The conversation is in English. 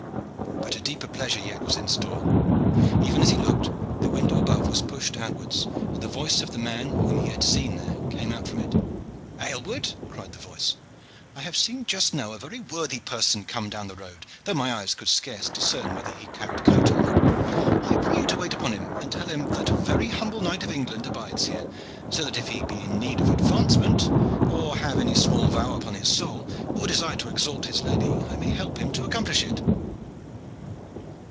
But a deeper pleasure yet was in store. Even as he looked, the window above was pushed outwards, and the voice of the man whom he had seen there came out from it. "Aylward," cried the voice, "I have seen just now a very worthy person come down the road, though my eyes could scarce discern whether he carried coat armor. I pray you to wait upon him and tell him that a very humble knight of England abides here, so that if he be in need of advancement, or have any small vow upon his soul, or desire to exalt his lady, I may help him to accomplish it."